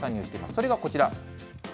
それがこちら。